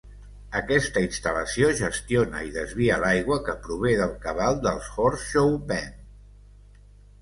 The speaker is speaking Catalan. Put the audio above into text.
Aquesta instal·lació gestiona i desvia l'aigua que prové del cabal del Horseshoe Bend.